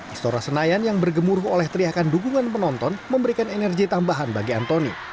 istora senayan yang bergemuruh oleh teriakan dukungan penonton memberikan energi tambahan bagi anthony